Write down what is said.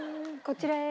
こちらへ。